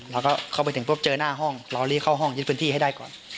เราก็เข้าไปถึงปุ๊บเจอหน้าห้องเรารีบเข้าห้องยึดพื้นที่ให้ได้ก่อน